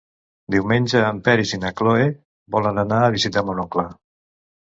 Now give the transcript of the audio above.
Diumenge en Peris i na Cloè volen anar a visitar mon oncle.